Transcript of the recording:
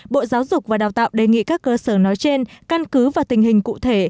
bộ giáo dục và đào tạo đề nghị các cơ sở nói trên căn cứ và tình hình cụ thể